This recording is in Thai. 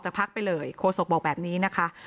และการแสดงสมบัติของแคนดิเดตนายกนะครับ